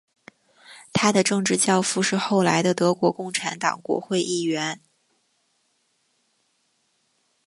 他的政治教父是后来的德国共产党国会议员。